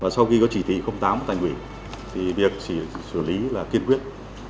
sau khi có chỉ thị tám tài nguyện việc xử lý là kiên quyết